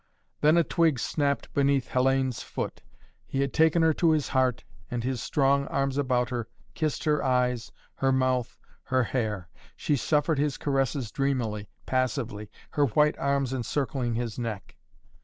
Then a twig snapped beneath Hellayne's foot. He had taken her to his heart and, his strong arms about her, kissed her eyes, her mouth, her hair. She suffered his caresses dreamily, passively, her white arms encircling his neck.